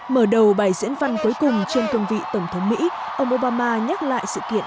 mở đầu bài diễn văn cuối cùng trên cương vị tổng thống mỹ ông obama nhắc lại sự kiện